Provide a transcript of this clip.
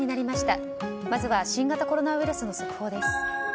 まずは新型コロナウイルスの速報です。